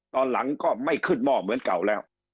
ตอนหลังก็ไม่ขึ้นหม้อเหมือนเก่าแล้ว